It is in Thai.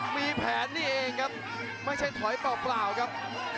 มีแผนนี่เองครับไม่ใช่ถอยเปล่าครับ